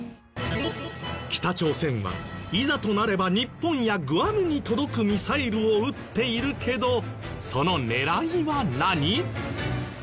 北朝鮮はいざとなれば日本やグアムに届くミサイルを撃っているけどその狙いは何？